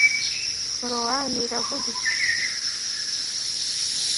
korowani iravuga iti